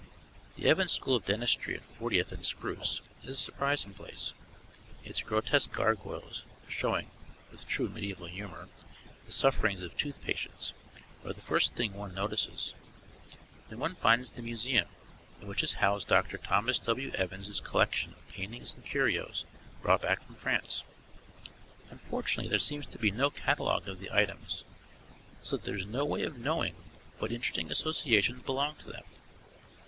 The Evans School of Dentistry at Fortieth and Spruce is a surprising place. Its grotesque gargoyles, showing (with true medieval humour) the sufferings of tooth patients, are the first thing one notices. Then one finds the museum, in which is housed Doctor Thomas W. Evans's collection of paintings and curios brought back from France. Unfortunately there seems to be no catalogue of the items, so that there is no way of knowing what interesting associations belong to them.